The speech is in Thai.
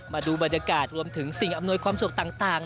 มาดูบรรยากาศรวมถึงสิ่งอำนวยความสุขต่าง